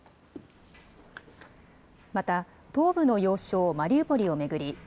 また東部の要衝マリウポリを巡り